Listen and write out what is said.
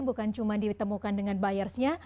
bukan cuma ditemukan dengan buyersnya